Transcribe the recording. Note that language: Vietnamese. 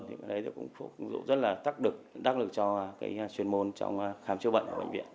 thì cái đấy cũng phục vụ rất là đắc lực cho cái chuyên môn trong khám chứa bệnh ở bệnh viện